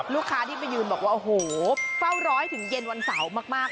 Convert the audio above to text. ลูกค้าที่ไปยืนบอกว่าโอ้โหเฝ้าร้อยถึงเย็นวันเสาร์มาก